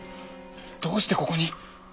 どうしてここに？